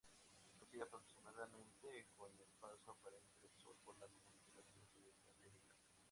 Coincide aproximadamente con el paso aparente del Sol por la constelación zodiacal de Libra.